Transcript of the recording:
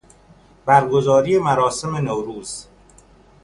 برگزاری مراسم نوروز